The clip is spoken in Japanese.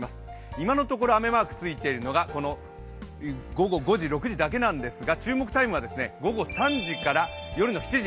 今のところ雨マークついているのが午後５時、６時だけなんですが注目タイムは午後３時から夜の７時。